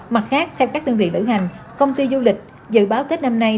mặt khác theo các đơn vị lữ hành công ty du lịch dự báo tết năm nay